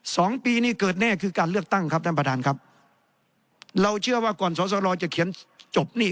สองปีนี่เกิดแน่คือการเลือกตั้งครับท่านประธานครับเราเชื่อว่าก่อนสอสรจะเขียนจบนี่